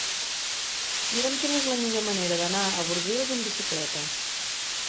Mira'm quina és la millor manera d'anar a Bordils amb bicicleta.